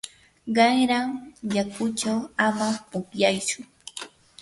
qanra yakuchaw ama pukllaytsu.